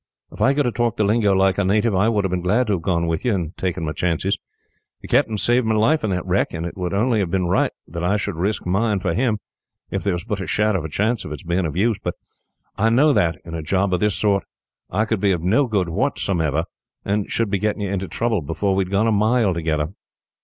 If I could have talked the lingo like a native, I would have been glad to have gone with you, and taken my chances. The captain saved my life in that wreck, and it would only have been right that I should risk mine for him, if there was but a shadow of chance of its being of use. But I know that, in a job of this sort, I could be of no good whatsomever, and should be getting you into trouble before we had gone a mile together."